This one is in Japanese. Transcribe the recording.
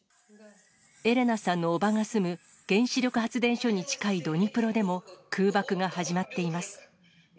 エレナさんのおばが住む原子力発電所に近いドニプロでも、空爆が始まっています。